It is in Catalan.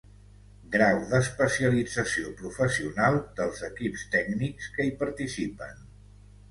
Grau d'especialització professional dels equips tècnics que hi participen.